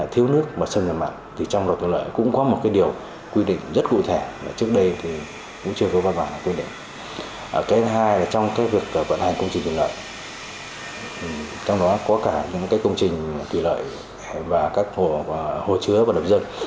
thứ hai là trong cái vận hành công trình thủy lợi trong đó có cả những cái công trình thủy lợi và các hồ chứa và đập dân